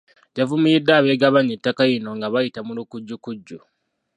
Yavumiridde abeegabanya ettaka lino nga bayita mu lukujjukujju.